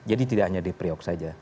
jadi tidak hanya di priok saja